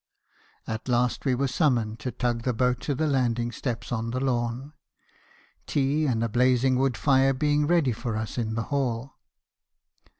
At last we were summoned to tug the boat to the landing steps on the lawn , tea and a blazing wood fire being ready for us in the hall.